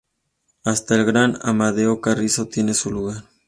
Hasta el gran Amadeo Carrizo tiene su lugar.